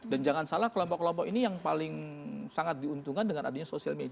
dan jangan salah kelompok kelompok ini yang paling sangat diuntungkan dengan adanya sosial media